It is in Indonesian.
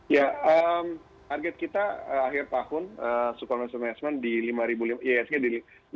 ya target kita akhir tahun suku investment di ihsg di lima lima ratus